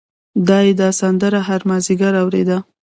دای دا سندره هر مازدیګر اورېده.